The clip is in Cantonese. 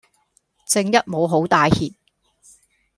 正一無好帶挈